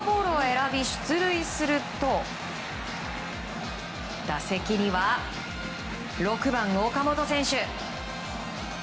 更に、５番、村上宗隆選手がフォアボールを選び出塁すると打席には６番、岡本選手。